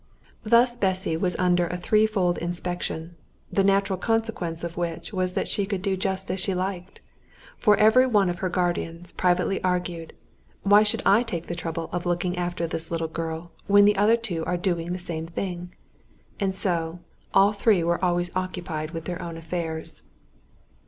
Thus Bessy was under a threefold inspection, the natural consequence of which was that she could do just as she liked, for every one of her guardians privately argued, "Why should I take the trouble of looking after this little girl when the other two are doing the same thing?" and so all three were always occupied with their own affairs.